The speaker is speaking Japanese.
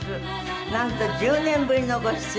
なんと１０年ぶりのご出演。